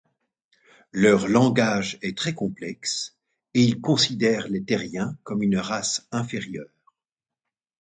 Leur langage est très complexe et ils considèrent les Terriens comme une race inférieure.